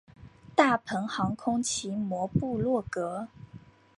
大鹏航空奇摩部落格